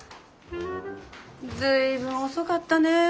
随分遅かったね。